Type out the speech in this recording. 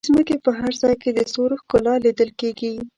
د ځمکې په هر ځای کې د ستورو ښکلا لیدل کېږي.